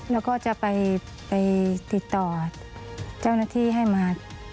แล้วก็จะไปติดต่อเจ้าหน้าที่ให้มา